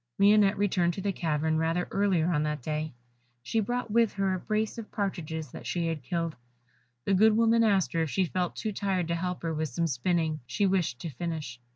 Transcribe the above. Lionette returned to the cavern rather earlier on that day; she brought with her a brace of partridges that she had killed. The good woman asked her if she felt too tired to help her with some spinning she wished to finish.